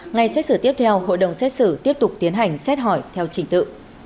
ngày xét xử tiếp theo hội đồng xét xử tiếp tục tiến hành xét hỏi theo trình tự